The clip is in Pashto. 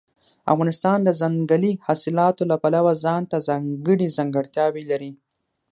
افغانستان د ځنګلي حاصلاتو له پلوه ځانته ځانګړې ځانګړتیاوې لري.